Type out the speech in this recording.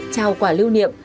trao quả lưu niệm